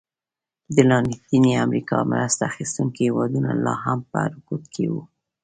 د لاتینې امریکا مرسته اخیستونکي هېوادونه لا هم په رکود کې وو.